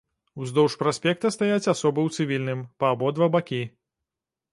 Уздоўж праспекта стаяць асобы ў цывільным, па абодва бакі.